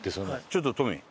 ちょっとトミー。